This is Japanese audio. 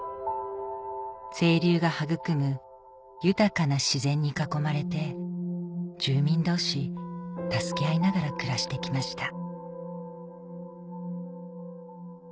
清流が育む豊かな自然に囲まれて住民同士助け合いながら暮らして来ました